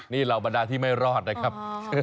นี่เหล่าบรรดาที่ไม่รอดนะครับ